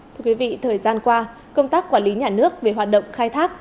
thưa quý vị thời gian qua công tác quản lý nhà nước về hoạt động khai thác